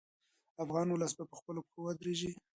افغان ولس به په خپلو پښو ودرېږي.